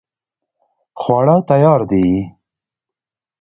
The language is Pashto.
خواړه تیار دي